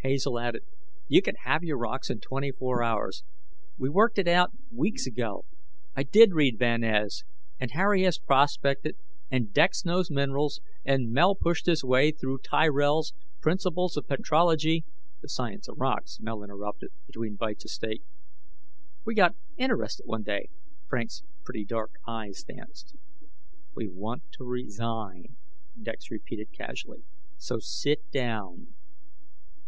Hazel added, "You can have your rocks in 24 hours. We worked it out weeks ago. I did read Van Es, and Harry has prospected, and Dex knows minerals, and Mel pushed his way through Tyrrell's 'Principles of Petrology' " "The science of rocks," Mel interrupted, between bites of steak. "We got interested one day." Frank's pretty, dark eyes danced. "We want to resign," Dex repeated casually, "so sit down."